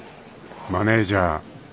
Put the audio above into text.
［マネジャー］